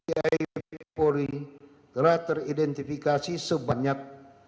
terada teridentifikasi sebanyak